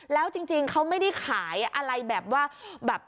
แล้วจริงเขาไม่ได้ขายอะไรแบบว่าแบบ